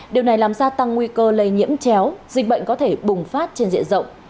điều này làm gia tăng nguy cơ lây nhiễm chéo dịch bệnh có thể bùng phát trên diện rộng